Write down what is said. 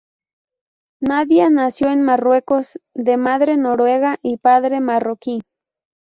Nadia nació en Marruecos de madre noruega y padre marroquí.